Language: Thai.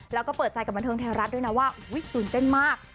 แล้วก็เปิดใจกับบันเทิงไทยรัฐด้วยนะว่าตื่นเต้นมาก